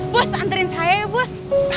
bos santerin saya ya bos